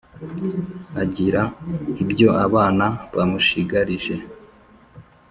. Agira ibyo abana bamushigarije